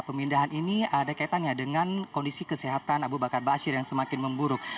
kondisi kesehatan ini ada kaitannya dengan kondisi kesehatan aba bakar aba asyir yang semakin memburuk